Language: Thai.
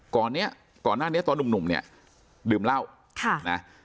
ก่อนหน้านี้ตอนหนุ่มเนี่ยดื่มเหล้า